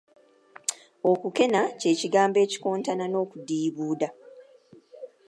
Okukena ky'ekigambo ekikontana n'okudiibuuda.